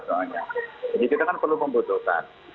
soalnya jadi kita kan perlu membutuhkan